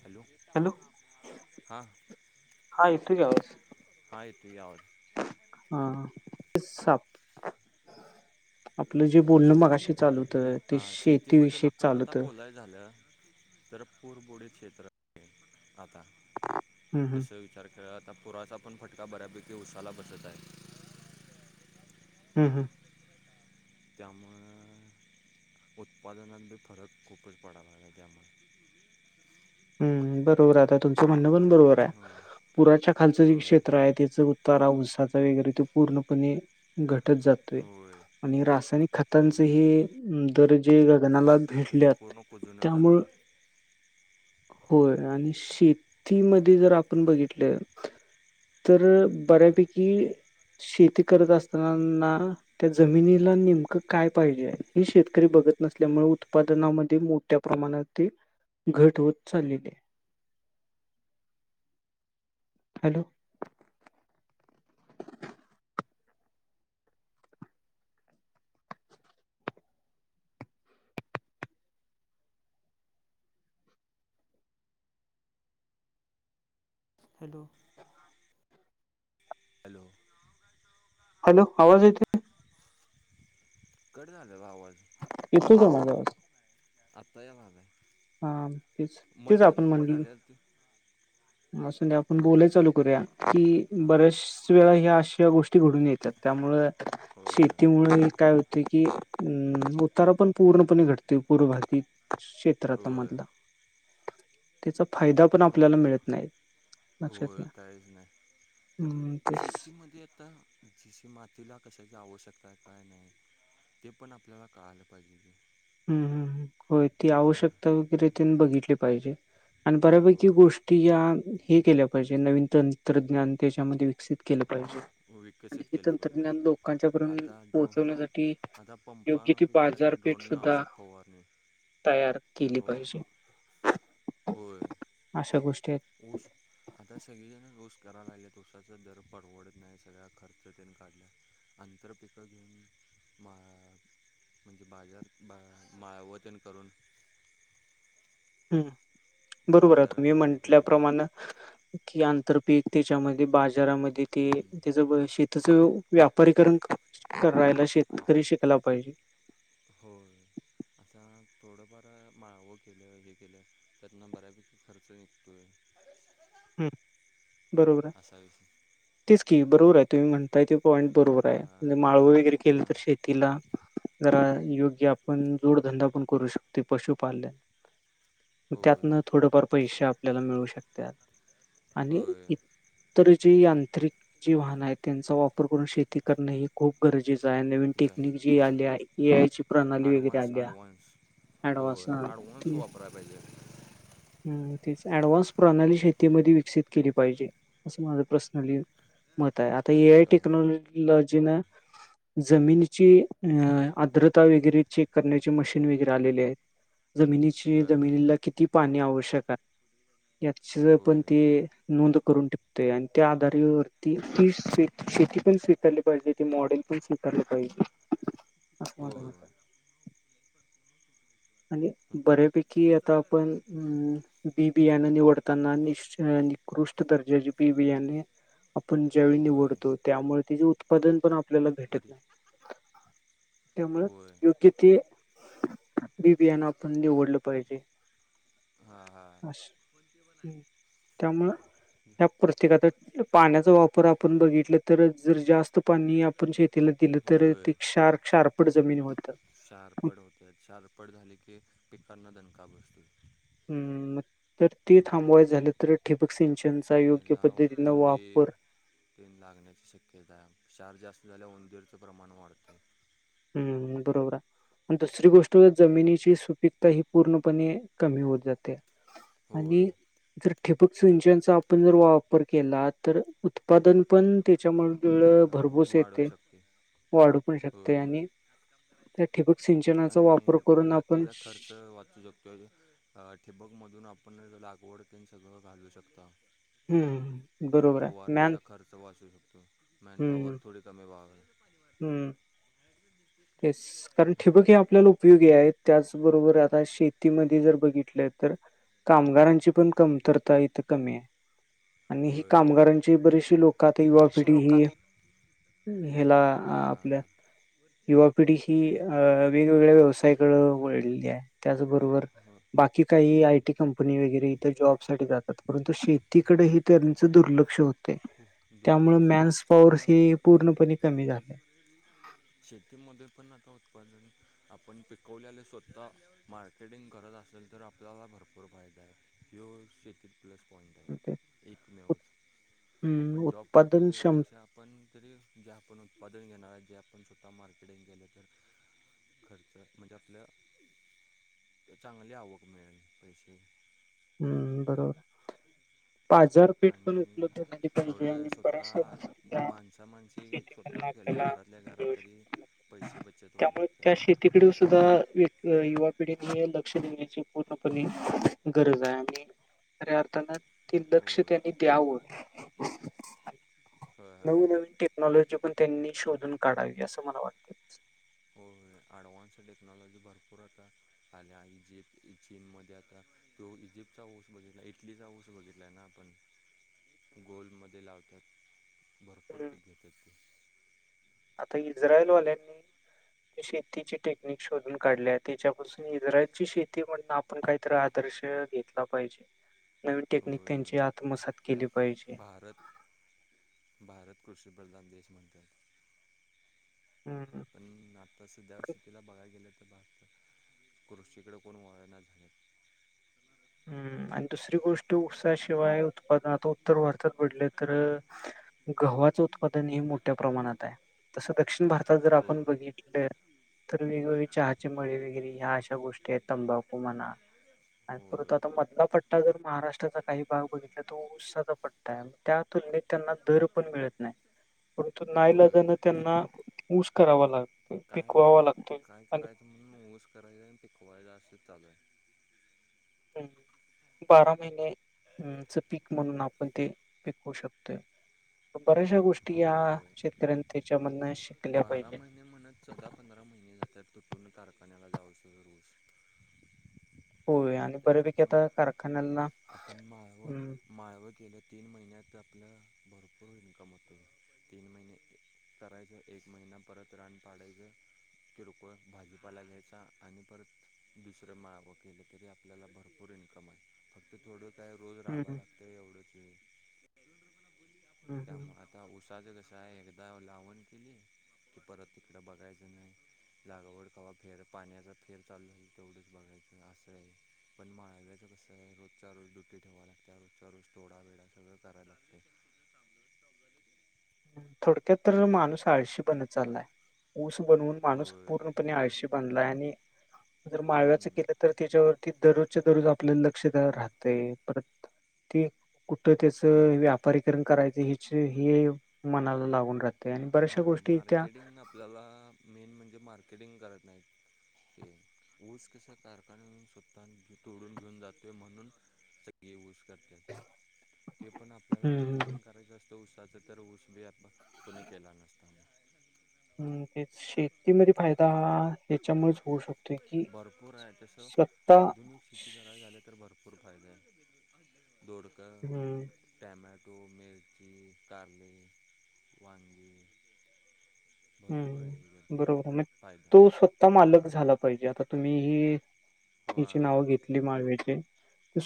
Hello! Hello हां. हा येतोय आवाज हां येतोय की आवाज. [unintelligible] हां साप आपलं जे बोलणं शेती मगाशी चालू होतं ते हां शेतीबद्दल शेतीविषयी आपण चाललं आता त. बोलाय झालं तर पुरबुडीत क्षेत्र आहेत आता. हम्म हम्म तसं विचार केला आता पुराचा पण फटका बऱ्यापैकी उसाला बसत आहे. हम्म हम्म. त्यामुळं उत्पादनात बी फरक खूपच पडाय लागलाय त्यामुळं. हम्म बरोबर आता तुमचं म्हणणं पण बरोबर आहे होय पुराच्या खालचं जे होय क्षेत्र आहे त्याचं तारा ऊसाचा वगैरे तो पूर्णपणे घटत जातोय. होय आणि रासायनिक खतांचे पूर्ण हे दर जे गगनाला ते भिडल्यात पूर्ण कुजूनच जाते त्यामुळं होय आणि शेतीमध्ये जर आपण बघितलं तर होय बऱ्यापैकी शेती करत असताना ना त्या जमिनीला नेमकं काय पाहिजे हे शेतकरी बघत नसल्यामुळे उत्पादनांमध्ये मो मोठ्या प्रमाणात ते घट होत चाललेली आहे. हॅलो! हॅलो! हॅलो! हॅलो! आवाज येतोय? कट झालेला आवाज. येतो का माझा आवाज? आता याय लागलाय. हां तेच तेच मध्येच आपण मग कट झालेला ते म्हणलेलो असुदे आपण बोलाय चालू करूया की हां बऱ्याच च वेळा ह्या अशा गोष्टी घडून येतात त्यामुळे होय शेतीमुळे काय. की, अ उतारा पण पूर्णपणे घडते पूर्व भग शेती. तर आता होय मधलं त्याचा फायदा पण आपल्याला मिळत नाही. हो, लक्षात घ्या. काहीच नाही पण हम्म तेच शेतीमध्ये आता. जिशी मातीला कशाची आवश्यकता आहे काय नाही ते पण आपल्याला कळायलं पाहिजे. हम हम, होय ती ते पण आहे आवश्यकता त्यांनी बघितली आणि बऱ्यापैकी गोष्ट. ते यात हे केल्या पाहिजे नवीन तंत्रज्ञान त्याच्यामध्ये विकसित केलं पाहिजे. आणि विकसित हे केलं तंत्रज्ञान पाहिजे लोकांच्या पयंत आता ड्रो पोहोचवण्यासाठी आता योग्य ती पंपापैकी आता बाजारपेठ. ड्रोननं सुद्धा औषध फवारणी तयार केली ड्रो पाहिजे. होय अशा गोष्टी आहेत. ऊस आता सगळेजण ऊस करायला लागलेत उसाचा दर परडवडत नाही. सगळ्या खर्च त्यांनी काढल्या आंतरपिकं घेऊन मा''--'' म्हणजे बाजार बा मावतेन करून. हम्, बरोबर आहे बाजारात तुम्ही विक्री केले ते म्हंटल्याप्रमाणे. कि, आंतर पीक त्याच्यामध्ये बाजारामध्ये ते हम्म. त्याच शती. तसं व्यापारीकरण करायला शेतकरी पाहिजे. हो, आता थोडंफार माळवं केलं हे केलं. त्यांना बारावी पैकी खर्च हाय. हम् बरोबर आहे असा विषय तेच कि, बरोबर आहे तुम्ही म्हणता. ते पॉईंट बरोबर आहे हां म्हणज माळं वगैरे केलं हां तर शेती. तिला जरा योग्य आपण जोडधंदा पण करू शकते पशुपालन. होय त्यातनं थोडंफार पैसे आपल्याला मिळू शकतात. आणि होय इतर जी यांत्रिक जी वाहनं आहेत त्यांचा वापर करून शेती करण हे. खूप गरजेचं आहे नवीन जा टेक्निक जी होय आल्या ए आय ची प्रणाली वगैरे ॲडव्हान्स आल्या. ॲडव्हान्स ॲडव्हान्स होय अडवनस वापर आहे पहिलेे. हम, ती अडव्हान्स प्रणाली शेतीमध्ये विकसित केली पाहिजे असं माझ प्रसनली. मत आहे आता ए आय होय टेक्नॉलॉजी ना. जमिनीची अ आर्द्रता वगैरे चेक करण्याचे मशीन वगैरे आलेले आहेत. जमिनीची हां हां जमिनीला किती पाणी आवश्यक आहे याच जर. पण होय ते नोंद करून टपतोय आणि त्या ती शेती पण स्वीकारली पाहिजे. ते मॉडेल पण स्वीकारारले. [inaudible] हा [unintelligible] म म होय आणि बऱ्यापैकी आता आपण. बीबीयाने निवडताना निकृष्ट दर्जाचे बीबियाने. आपण ज्यावेळी होय निवडतो त्यामुळे त्याचं उत्प''--'' पदन पण आपल्याला भेटत परी नाही त्यामुळे होय योग्य ते. बीबियाना आपण निवडलं पाहिजे. हा हा कोणते बण. त्यामुळ ह्या पुस्तिकाच. पाण्याचा वापर आपण बघितलं तर जर जास्त पाणी आपण शेतीला दिलं. तर ते क्षार्क शार्पट जमीन होत जाते. चारपड होते चारपड झाली की, पिकांना दणका बसतेय. ह मग तर ते थांबवायच झालं तर ठिबक सिंचन ते नाव कोणते. केन लागण्याची शक्यता आहे. चार जास्त झाल्या उंदीरचं प्रमाण वाढतं. हं. बरोबर आहे. दुसरी गोष्ट जमिनीची सुपीकता ही पूर्णपणे कमी होत जाते. होय आणि जर ठिबक सिंचनचा आपण जर वापर केला तर उत्पादन पण त्याच्यामूळ फ भरभोस वाढू येते. शकते वाढू पण शकते होय आणि त्या ठिबक सिंच आणि बाकीचा खर्च वाचू शकतोय काय. हा ठिबकमधून आपण लागवड तेन सगळं घालू शकता. हम्म बरोबर आहे मॅन फवारनीचा खर्च वाचू शकतो. मॅन पॉवर थोडी कमी व्हावे हं. तेच. कारण ठिबक हे आपल्याला उपयोगी आहे. त्याचबरोबर आता शेतीमध्ये जर बघितल तर कामगारांची पण कमतरता इथं कमी आहे. आणि ही होय कामगारांची बरीेचशी लोक आता युवा कृषी पिढी ही लोकात हेला हां हां आपल हां युवा पिढी ही अ वेगवेगळ्या व्यवसायाकडे वळलेली आहे. त्याचबरोबर हां बाकी काही आय टी कंपनी वगैरे इथ. जॉबसाठी जातात. परंतु शेतीकड हे त्यांच दुर्लक्ष होतय. खूप त्यामुळे दुर्लक्ष मॅन्स आहे पॉवर आता हे पूर्णपणे कमी झाल्या. शेतीमध्ये पण आता उत्पादन आपण पिकवल्याले स्वतः मार्केटिंग करत असेल तर आपल्याला भरपूर फायदा आहे. ह्यो शेतीत प्लस पॉइंट आहे, ते एकमेव. उत हं आपण जॉब करतो उत्पादन क्षम त्यापेक्षा पण जरी जे आपण उत्पादन घेणार आहे, जे आपण स्वतः मार्केटिंग केलं तर खर्च म्हणजे आपल्या चांगली आवक मिळेल, पैसे. हं. बरोबर! पाझर आणि थोड बऱ्याचशा स्वतः गोष्टी या माणसा माणसी ता शेतीमधनं केल्या आपल्याला घरातल्या घरात. मिळू तरी शकतात. पैसे बचत होऊ त्यामुळे शकतात. त्या शेतीकडे सुद्धा व्यक्त युवा पिढीची लक्ष देण्याची पूर्णपणे गरज हाय. आणि खऱ्या अर्थान ते होय लक्ष त्यांनी होय द्यावं. होय नवी होय. नवीन टेक क्नॉलॉजी पण त्यांनी शोधून काढावी, असं मला वाटत. होय. ॲडव्हान्स टेक्नॉलॉजी भरपूर आता आल्या आणि ईजिप्त चीन मध्ये आता तो इजिप्तचा ऊस बघितलाय, इटलीचा ऊस बघितलाय ना आपण. गोलमध्ये लावतात, भरपूर हम्म. पीक घेतात ते. आता इज्राईलवाल्यांनी [inaudible] शेतीची टेक्निक शोधून काढल्या. त्याच्यापासून इस्रायलची शेती म्हण आपण काहीतरी आदर्श घेतला पाहिजे. नवीन टेक्निक होय. त्यांची आत्मसात केली त्यात पाहिजे. भारत भारत कृषीप्रधान देश म्हणत्यात. हं. पण आत्ता सध्या स्थितीला बघाय गेलं तर भारतात कृषीकड कोण वळना झालेत. हं. आणि दुसरी गोष्ट ऊसाशिवाय उत्पादनात, उत्तर भारतात भीडले तर गव्हाचं उत्पादन हे मोठ्या प्रमाणात आहे. तसं दक्षिण भारतात जर आपण होय बघितलं तर वेगवेगळी चहाचे मळे वैगरे ह्या अश्या गोष्टी हायत तंबाखू म्हणा [unintelligible] आणि परत आता मधला पट्टा जर महाराष्ट्राचा काही भाग बघितला तो ऊसाचा पट्टा हाय. त्या तुलनेत त्यांना दर पण मिळत नाय. परंतु होय नाइलाजानं ऊस त्यांना ऊस करावा लागतोय, काय पिकवावा लागतोय. काय करायचं म्हणून ऊस करायचां आणि पिकवायचं असं चालू हाय. हम बारा महिने हम्म पीक म्हणून आपण ते पीकऊ शकतोय. बऱ्याचशा गोष्टी या होय शेतकऱ्यांनी त्याच्यामधनं शिकल्या पाहिजेत. मी म्हणतं चौदा पंधरा महिने जातात तुटून करखान्याला जाऊतोवर ऊस. होय आणि त्यात बऱ्यापैकी आपण आता कारखान्याला आपण माळवं हम माळवं केलं तीन महिन्यात की आपलं भरपूर इन्कम होतोय. तीन महिने करायचं एक महिना परत रान पाडायचं. किरकोळ भाजीपाला घ्यायचा आणि परत दुसरं माळवं केलं तरी आप आपल्याला भरपूर इन्कम हाय फक्त थोडं काय रोज हम्म राबायला एवढंच हम्म [inaudible] हम्म. त्यामुळे आता उसाचं कसं हाय एकदा लावण केली कि परत तिकड बघायचं नाय. लागावड कवा फेर पाण्याचा फेर चालू होईल तेवढंच बघायचं असं हाय. पण माळाव्याचं कसं हाय रोजच्या रोज डुटी ठेवाया लागत्या, रोजच्या रोजथोडा वेळ सगळं कराय लागते. थोडक्यात तर हॅलो माणूस आळशी बनत चाललाय, ऊस बनवून माणूस होय पूर्ण तुम्ही आळशी बनलाय आणि जर माळव्याच हम्म केलं तर त्याच्यावर ती दररोजच्या दररोज आपल्याला लक्ष द्यायला राहतय परत ती कुठं त्याच होय व्यापारीकरण करायचं हेच हे मनाला लागून राहत. त्या आणि बऱचशा हां गोष्टी त्या मार्केटिंग आपल्याला मेन म्हणजे मार्केटिंग करत नाहीत. ते ऊस कस कारखान्यात स्वतः तोडून घेऊन जातो म्हणून स सगळे ऊस करतात. ते पण आपल्याला हम्म मार्केटिंग करायचं असतं ऊसाचं तर ऊस बी आपण कोणी केला नसता. हम तेच शेतीमध्ये फायदा ह भरपूर आहे तसं स्वतः आधुनिक शेती करायाचं झालं तर भरपूर भरपूर फायदा आहे दोडक हम्म टमॅटो, मिर्ची, करले, वांगी, [unintelligible] आहे हम याच्यात बरोबर म फायदा तू आता मालक झाला पाहिजे, आता तुम्ही ही हो हिची नाव घेतली.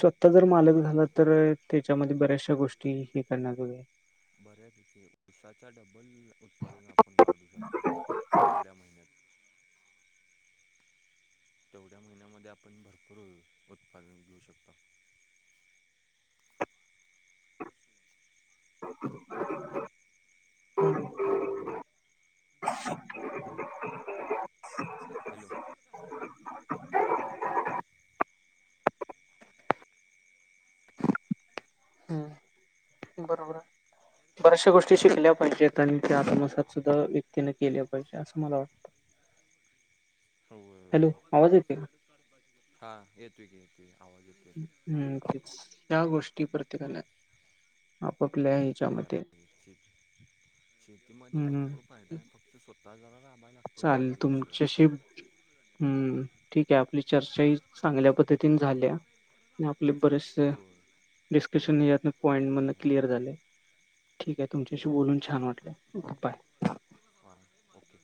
स्वतः जर मालक झाला तर हां त्याच्यामध्ये बऱ्याचशा गोष्टी [unintelligible] बऱ्यापैकी तिथे ऊसाचा डबल उत्पादन आपण काढू शकतो, तेवढ्या महिन्यात. तेवढ्या महिन्यामध्ये आपण भरपूर उत्पादन घेऊ शकतो. [unintelligible] हॅलो हम्म बऱ्याचशा गोष्टी शिकल्या पाहिजेत आणि ते आत्मसात सुद्धा व्यक्तीने केल्या पाहिजे असं मला वाटतं. हो, हॅलो आवाज येते का हा येतो की येतो येतो आवाज येतो. हम्म, त्या गोष्टी प्रत्येकाला आपआपल्या. केल्या पाहिजे शेती शेतीमध्ये भरपूर हम्म फायदाय फक्त स्वतः जरा राबायला लागतंय एवढा चालेल विषय हे. तुमच्याशी हम्म. ठीक आहे आपली चर्चा ही चांगल्या पद्धतीने झाल्या आणि आपले बरेचसे होय डिस्कशनत पॉईंट मधन हां हां क्लिअर झाले ठीक आहे तुमच्याशी केले बोलून छान वाटलं. Good bye. Bye, okay.